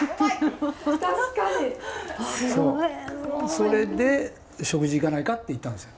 それで食事行かないかって言ったんですよ。